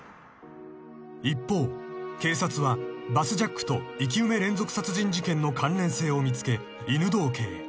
［一方警察はバスジャックと生き埋め連続殺人事件の関連性を見つけ犬堂家へ］